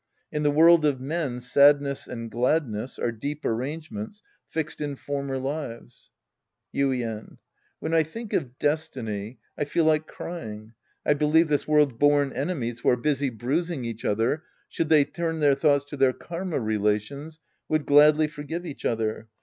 In the world of men sadness and gladness are deep arrangements fixed in former lives. Ytden. When I think of destiny, I feel like crying. I believe this world's bom energies who are busy bruising each other, should they turn their thoughts to their karma relations, would gladly forgive each other.